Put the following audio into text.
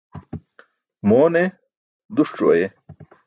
Moon e?, duṣc̣o ayeh.